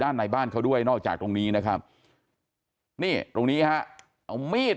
ในบ้านเขาด้วยนอกจากตรงนี้นะครับนี่ตรงนี้ฮะเอามีด